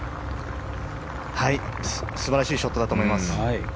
素晴らしいショットだと思います。